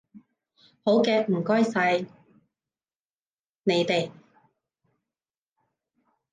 好嘅，唔該曬你哋